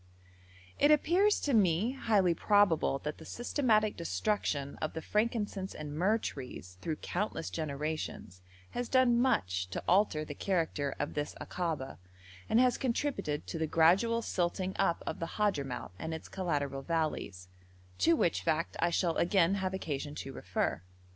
It appears to me highly probable that the systematic destruction of the frankincense and myrrh trees through countless generations has done much to alter the character of this Akaba, and has contributed to the gradual silting up of the Hadhramout and its collateral valleys, to which fact I shall again have occasion to refer.